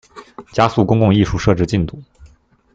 加速公共藝術設置進度